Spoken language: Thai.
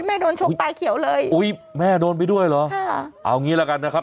โดนชกตายเขียวเลยอุ้ยแม่โดนไปด้วยเหรอค่ะเอางี้ละกันนะครับ